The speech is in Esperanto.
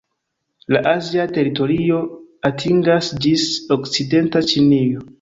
La azia teritorio atingas ĝis okcidenta Ĉinio.